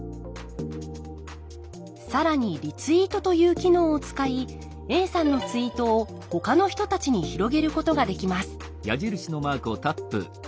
更にリツイートという機能を使いＡさんのツイートをほかの人たちに広げることができます